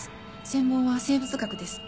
専門は生物学です。